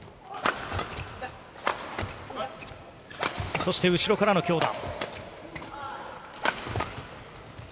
そして後ろからの強打。